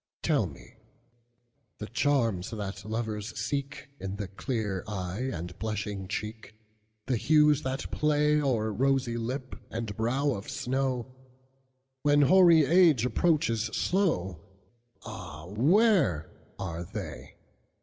Tell me, the charms that lovers seekIn the clear eye and blushing cheek, The hues that playO'er rosy lip and brow of snow, When hoary age approaches slow, Ah, where are they?